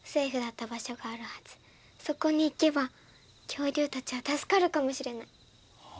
そこに行けば恐竜たちは助かるかもしれない。